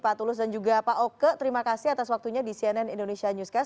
pak tulus dan juga pak oke terima kasih atas waktunya di cnn indonesia newscast